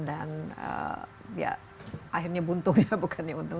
dan ya akhirnya buntung ya bukannya untung